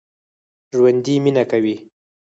ژوندي مېنه کوي